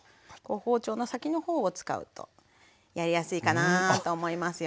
包丁の先のほうを使うとやりやすいかなと思いますよ。